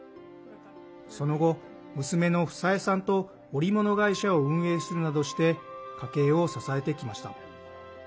その後、娘の房江さんと織物会社を運営するなどして家計を支えてきました。